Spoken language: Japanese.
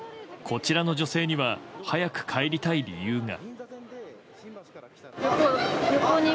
こちらの女性には早く帰りたい理由が。